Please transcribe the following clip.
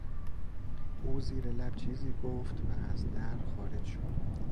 او زیر لب چیزی گفت و از در خارج شد.